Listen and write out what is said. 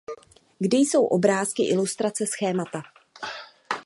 Kde jsou obrázky, ilustrace, schémata!